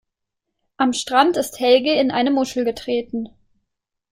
Am Strand ist Helge in eine Muschel getreten.